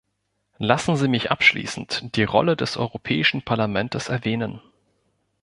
Lassen Sie mich abschließend die Rolle des Europäischen Parlamentes erwähnen.